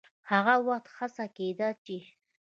هغه وخت هڅه کېده چې